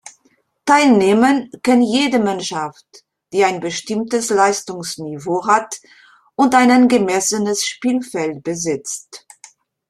Teilnehmen kann jede Mannschaft, die ein bestimmtes Leistungsniveau hat und ein angemessenes Spielfeld besitzt.